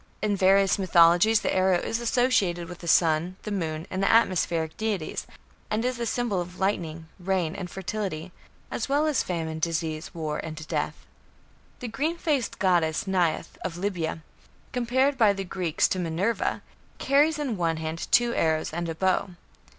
In various mythologies the arrow is associated with the sun, the moon, and the atmospheric deities, and is a symbol of lightning, rain, and fertility, as well as of famine, disease, war, and death. The green faced goddess Neith of Libya, compared by the Greeks to Minerva, carries in one hand two arrows and a bow.